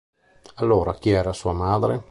Allora chi era sua madre?